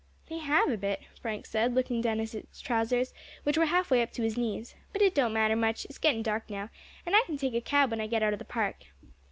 "They have, a bit," Frank said, looking down at his trousers, which were half way up to his knees; "but it don't matter much, it's getting dark now, and I can take a cab when I get out of the Park.